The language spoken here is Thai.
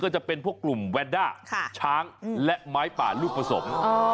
ก็จะเป็นพวกกลุ่มแวนด้าช้างและไม้ป่าลูกผสม